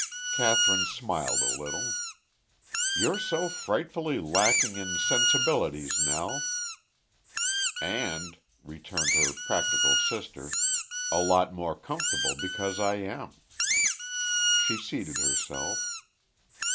Kathryn smiled a little. "You're so frightfully lacking in sensibilities, Nell." "And," returned her practical sister, "a lot more comfortable because I am." She seated herself.